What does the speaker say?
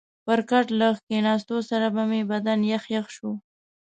پر کټ له کښېنستو سره به مې بدن یخ یخ شو.